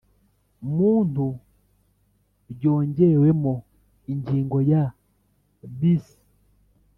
Muntu ryongewemo ingingo ya bis